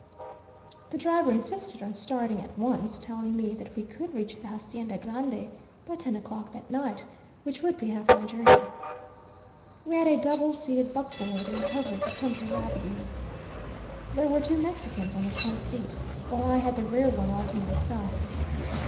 "The driver insisted on starting at once, telling me that we could reach the Hacienda Grande by ten o'clock that night, which would be half my journey. We had a double seated buckboard and covered the country rapidly. There were two Mexicans on the front seat, while I had the rear one all to myself.